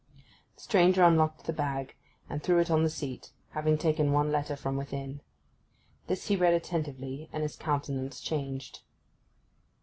The stranger unlocked the bag and threw it on the seat, having taken one letter from within. This he read attentively, and his countenance changed.